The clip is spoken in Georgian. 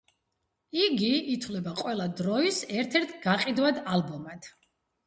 იგი ითვლება ყველა დროის ერთ-ერთ გაყიდვად ალბომად.